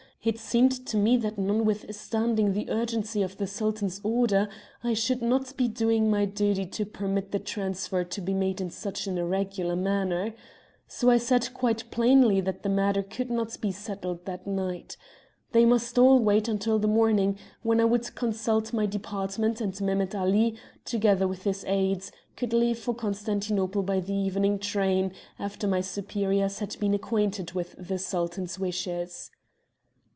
It seemed to me that notwithstanding the urgency of the Sultan's order, I should not be doing my duty to permit the transfer to be made in such an irregular manner. So I said quite plainly that the matter could not be settled that night. They must all wait until the morning, when I would consult my Department, and Mehemet Ali, together with his aides, could leave for Constantinople by the evening train, after my superiors had been acquainted with the Sultan's wishes.